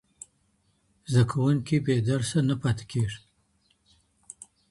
زده کوونکي بې درسه نه پاته کېږي.